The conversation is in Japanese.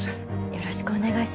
よろしくお願いします。